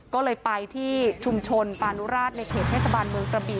ก็เลยไปที่ชุมชนปานุราชในเขตเทศบาลเมืองกระบี่